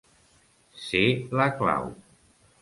Ser la clau.